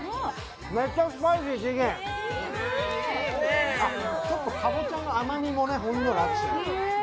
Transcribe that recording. めっちゃスパイシー、ちょっとかぼちゃの甘みもほんのりあって。